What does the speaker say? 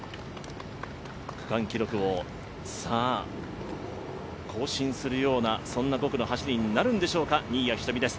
区間記録を更新するような５区の走りになるんでしょうか、新谷仁美です。